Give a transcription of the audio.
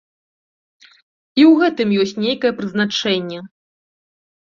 І ў гэтым ёсць нейкае прызначэнне.